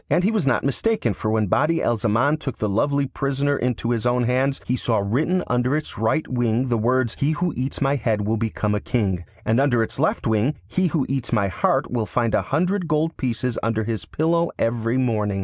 And he was not mistaken, for when Badi al Zaman took the lovely prisoner into his own hands, he saw written under its right wing the words, 'He who eats my head will become a king,' and under its left wing, 'He who eats my heart will find a hundred gold pieces under his pillow every morning.